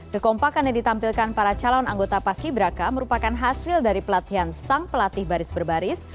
kekompakan yang ditampilkan para calon anggota paski braka merupakan hasil dari pelatihan sang pelatih baris berbaris